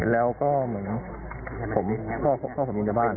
ลี่ป๊อก็ยิงในบ้าน